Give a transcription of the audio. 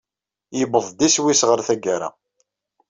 Yewweḍ iswi-s ɣer tagara.